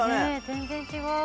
全然違う。